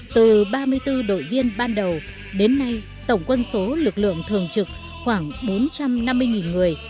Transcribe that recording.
từ ba mươi bốn đội viên ban đầu đến nay tổng quân số lực lượng thường trực khoảng bốn trăm năm mươi người